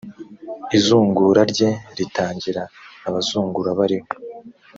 izungura rye ritangira abazungura bariho